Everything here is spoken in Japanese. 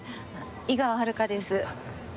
井川遥です。